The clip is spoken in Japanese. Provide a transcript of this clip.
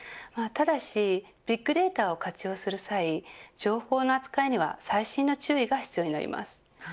ただしビッグデータを活用する際に情報の扱いには細心の注意が必要になります。